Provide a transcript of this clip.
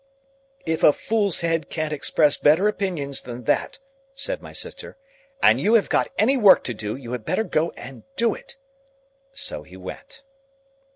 "If a fool's head can't express better opinions than that," said my sister, "and you have got any work to do, you had better go and do it." So he went.